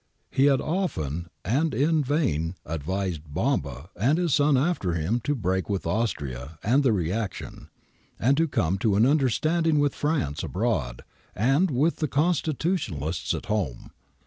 He had often and in vain advised Bomba and his son after him to break with Austria and the reaction, and to come to an understand ing with fVance abroad and with the Constitutionalists at home.